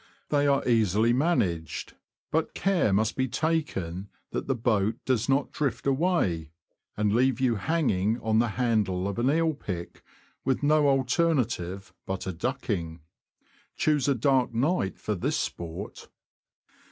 They are easily managed ; but care must be taken that the boat does not drift away, and leave you hanging on the handle of the eel pick, with no alternative but a ducking. Choose a dark night for this sport.